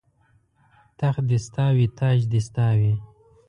تخت دې ستا وي تاج دې ستا وي